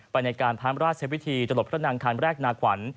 ไปในการพร้ำราชใช้วิธีจลบพระนางคารแรกนาขวัญ